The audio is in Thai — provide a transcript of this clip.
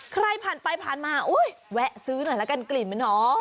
ใครผ่านไปผ่านมาอุ้ยแวะซื้อหน่อยแล้วกันกลิ่นมันอ๋อ